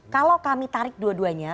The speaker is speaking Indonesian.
kalau kami tarik dua duanya